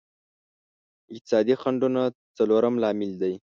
اقتصادي خنډونه څلورم لامل دی.